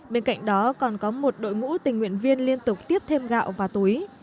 bên cạnh đó còn có một đội ngũ tình nguyện viên liên tục tiếp thêm gạo và túi